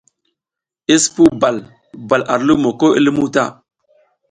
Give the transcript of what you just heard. I sipuw bal bal ar lumo ko i lumuw ta.